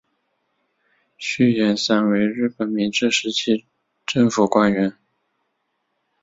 续彦三为日本明治时期政府官员。